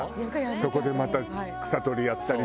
そこでまた草取りやったりとかさ。